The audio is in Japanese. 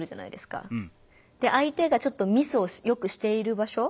相手がちょっとミスをよくしている場所